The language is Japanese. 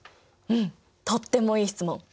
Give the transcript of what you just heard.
うんとってもいい質問。